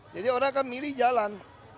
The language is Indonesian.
jadi orang akan milih jalan